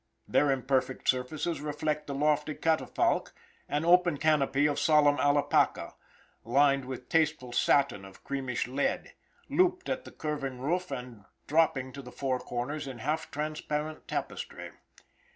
Their imperfect surfaces reflect the lofty catafalque, an open canopy of solemn alapaca, lined with tasteful satin of creamish lead, looped at the curving roof and dropping to the four corners in half transparent tapestry.